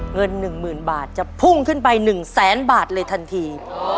เงิน๑๐๐๐บาทจะพุ่งขึ้นไป๑แสนบาทเลยทันที